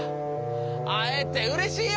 あえてうれしいよ！